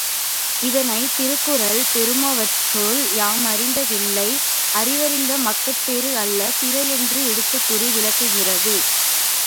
இதனைத் திருக்குறள், பெறுமவற்றுள் யாமறிவ தில்லை அறிவறிந்த மக்கட்பேறு அல்ல பிற என்று எடுத்துக்கூறி விளக்குகிறது.